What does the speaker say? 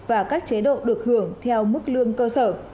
và các chế độ được hưởng theo mức lương cơ sở